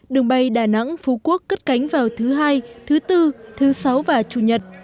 đường bay đà nẵng phú quốc cất cánh vào thứ hai thứ bốn thứ sáu và chủ nhật